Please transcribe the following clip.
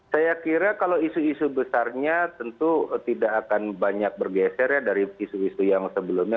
saya kira kalau isu isu besarnya tentu tidak akan banyak bergeser ya dari isu isu yang sebelumnya